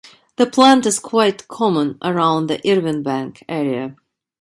The plant is quite common around the Irvinebank area.